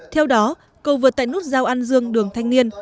theo đó cầu vượt tại nút giao an dương đường thanh niên